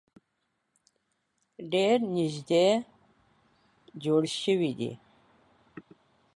ډیر نیږدې جوړ شوي دي.